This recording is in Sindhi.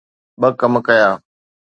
”ٻه ڪم ڪيا.